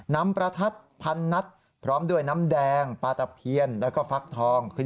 ประทัดพันนัดพร้อมด้วยน้ำแดงปลาตะเพียนแล้วก็ฟักทอง